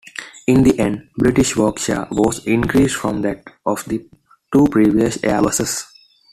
In the end, British work-share was increased from that of the two previous Airbuses.